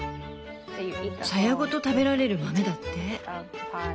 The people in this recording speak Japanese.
サヤごと食べられる豆だって。